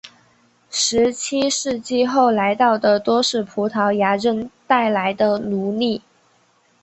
十七世纪后来到的多是葡萄牙人带来的奴隶。